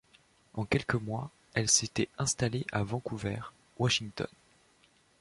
En quelques mois, elles s'étaient installées à Vancouver, Washington.